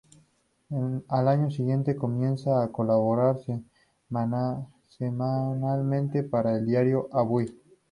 Al año siguiente comienza a colaborar semanalmente para el diario Avui.